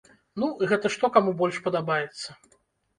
Ну, гэта што каму больш падабаецца.